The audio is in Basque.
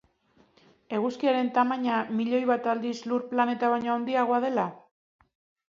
Eguzkiaren tamaina miloi bat aldiz lur planeta baino handiagoa dela?